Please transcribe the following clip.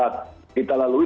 itu sudah kita lalui